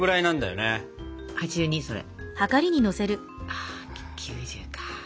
あ９０か。